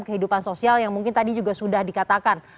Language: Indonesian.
kehidupan sosial yang mungkin tadi juga sudah dikatakan